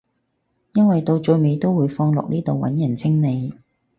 因為到最尾都會放落呢度揾人清理